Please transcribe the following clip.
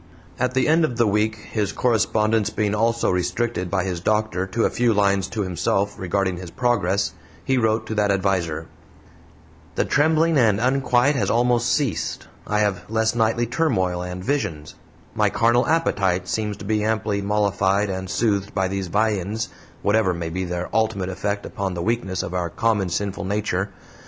At the end of the week his correspondence being also restricted by his doctor to a few lines to himself regarding his progress he wrote to that adviser: "The trembling and unquiet has almost ceased; I have less nightly turmoil and visions; my carnal appetite seems to be amply mollified and soothed by these viands, whatever may be their ultimate effect upon the weakness of our common sinful nature.